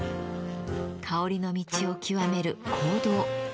香りの道を極める香道。